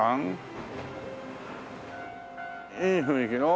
いい雰囲気の。